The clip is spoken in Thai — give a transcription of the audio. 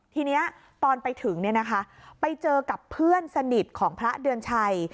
ทีนี้ตอนไปถึงไปเจอกับเพื่อนสนิทของพระเดือนชัย